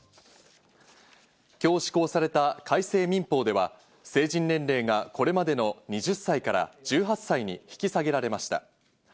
今日施行された改正民法では成人年齢がこれまでの２０歳から１８歳に引き下げられました。